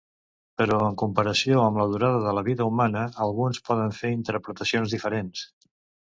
Però en comparació amb la durada de la vida humana, alguns poden fer interpretacions diferents.